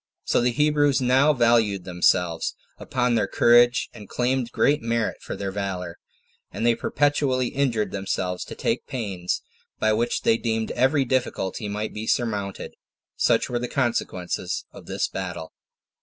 So the Hebrews now valued themselves upon their courage, and claimed great merit for their valor; and they perpetually inured themselves to take pains, by which they deemed every difficulty might be surmounted. Such were the consequences of this battle.